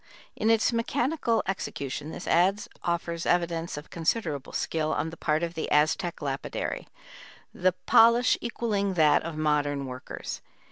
In its mechanical execution this adze offers evidence of considerable skill on the part of the Aztec lapidary, the polish equalling that of modern workers.